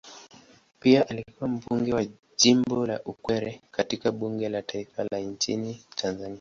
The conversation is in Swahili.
Pia alikuwa mbunge wa jimbo la Ukerewe katika bunge la taifa nchini Tanzania.